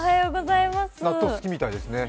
納豆好きみたいですね。